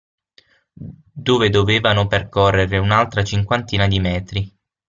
Dove dovevano percorrere un'altra cinquantina di metri.